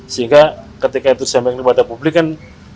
sehingga ketika itu saya mengirip pada publik kan